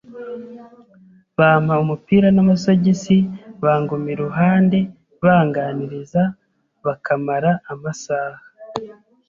bampa umupira n’amasogisi, banguma iruhande banganiriza bakamara amasaha,